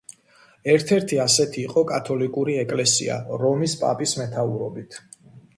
ერთ-ერთი ასეთი იყო კათოლიკური ეკლესია რომის პაპის მეთაურობით.